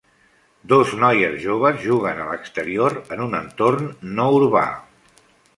Dos noies joves juguen a l'exterior en un entorn no urbà.